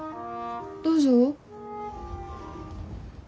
どうぞ。